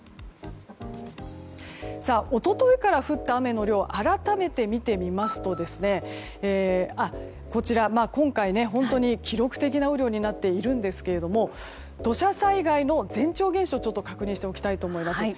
一昨日から降った雨の量を改めて見てみますと今回、本当に記録的な雨量になっているんですが土砂災害の前兆現象を確認しておきたいと思います。